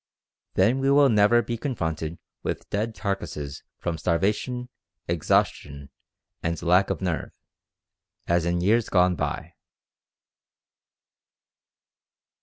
Then we will never be confronted with dead carcarsses from starvation, exhaustion, and lack of nerve, as in years gone by."